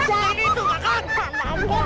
bacaan itu makan tanpa mumpung